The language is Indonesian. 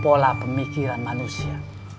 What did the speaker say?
pola pemikiran manusia